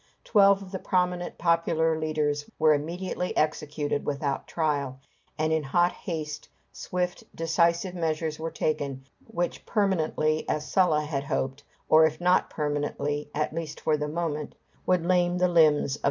Twelve of the prominent popular leaders were immediately executed without trial; and in hot haste, swift, decisive measures were taken, which permanently, as Sulla hoped, or if not permanently, at least for the moment, would lame the limbs of the democracy.